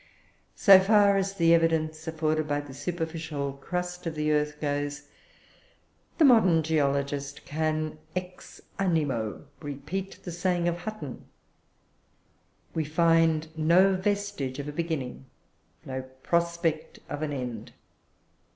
So far as the evidence afforded by the superficial crust of the earth goes, the modern geologist can, ex animo, repeat the saying of Hutton, "We find no vestige of a beginning no prospect of an end."